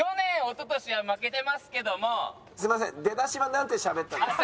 すいません出だしはなんてしゃべったんですか？